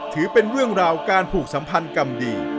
ถือเป็นเรื่องราวการผูกสัมพันธ์กรรมดี